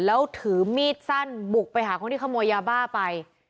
แล้วถือมีดสั้นบุกไปหาคนที่ขโมยยาบ้าไป